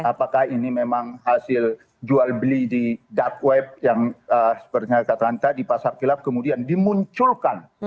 karena ini memang hasil jual beli di dark web yang seperti yang kata anda di pasar kelam kemudian dimunculkan